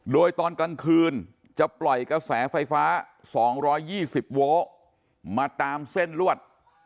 โดยตอนกลางคืนจะปล่อยกระแสไฟฟ้า๒๒๐โวลมาตามเส้นลวด